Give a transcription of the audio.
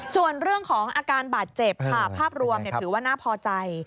ส่วนเรื่องของอาการบาดเจ็บค่ะภาพรวมถือว่าน่าพอใจ